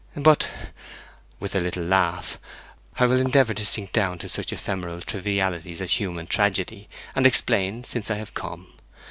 But,' with a little laugh, 'I will endeavour to sink down to such ephemeral trivialities as human tragedy, and explain, since I have come.